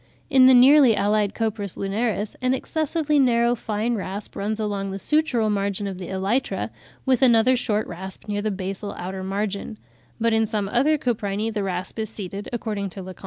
In the nearly allied Copris lunaris, an excessively narrow fine rasp runs along the sutural margin of the elytra, with another short rasp near the basal outer margin; but in some other Coprini the rasp is seated, according to Leconte (78.